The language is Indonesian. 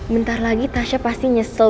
bentar lagi tasya pasti nyesel